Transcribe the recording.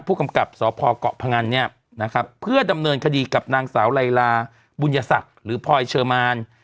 ผู้กำกับสพเกาะพงันเนี่ยนะครับเพื่อดำเนินคดีกับนางสาวไลลาบุญศักดิ์หรือพลอยเชอร์มาน